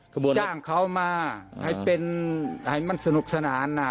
จ้างเขามาให้มันสนุกสนาน